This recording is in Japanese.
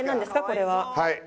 これは。